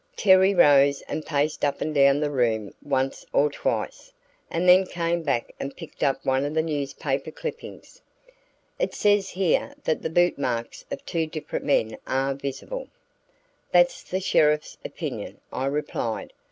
Terry rose and paced up and down the room once or twice, and then came back and picked up one of the newspaper clippings. "It says here that the boot marks of two different men are visible." "That's the sheriff's opinion," I replied.